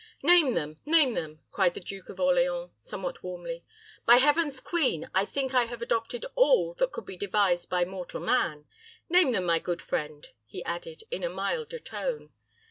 "Name them name them," cried the Duke of Orleans, somewhat warmly. "By heaven's queen, I think I have adopted all that could be devised by mortal man. Name them, my good friend," he added, in a milder tone.